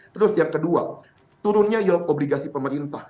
terus yang kedua turunnya yield obligasi pemerintah